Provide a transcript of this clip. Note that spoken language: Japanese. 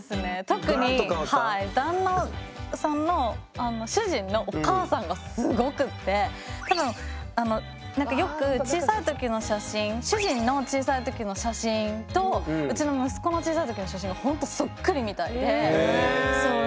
特に旦那さんの主人のお母さんがすごくって多分よく小さい時の写真主人の小さい時の写真とうちの息子の小さい時の写真がほんとそっくりみたいでそう。